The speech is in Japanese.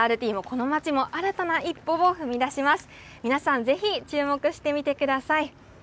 そしてＬＲＴもこの街も新たな一歩を踏み出します。